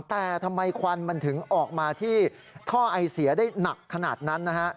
แต่ทำไมควันมันถึงออกมาที่ท่อไอเสียได้หนักขนาดนั้นนะฮะ